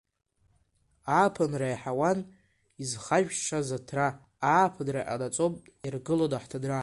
Ааԥынра иаҳауан изхажәшаз аҭра, ааԥынра иҟанаҵон, иаргылон аҳҭынра…